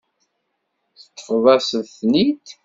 Teṭṭfeḍ-as-ten-id.